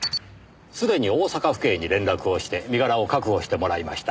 すでに大阪府警に連絡をして身柄を確保してもらいました。